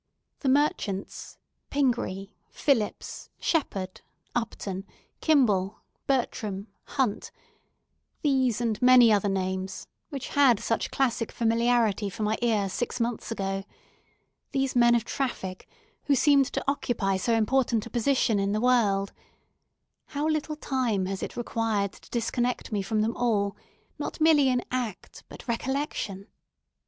The merchants—Pingree, Phillips, Shepard, Upton, Kimball, Bertram, Hunt—these and many other names, which had such classic familiarity for my ear six months ago,—these men of traffic, who seemed to occupy so important a position in the world—how little time has it required to disconnect me from them all, not merely in act, but recollection!